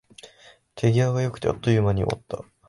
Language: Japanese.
手際が良くて、あっという間に終わった